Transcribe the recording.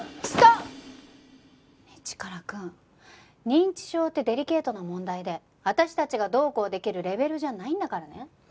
ストップ！ねえチカラくん認知症ってデリケートな問題で私たちがどうこうできるレベルじゃないんだからね。